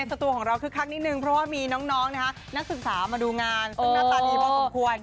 อีกสัตวของเราคึกคักนิดนึงเพราะว่ามีน้องนักศึกษามาดูงานซึ่งหน้าตัดอีกบ้างสมควร